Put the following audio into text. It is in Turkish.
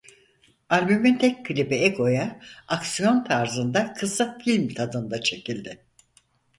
Albümün tek klibi "Ego"'ya aksiyon tarzında kısa film tadında çekildi.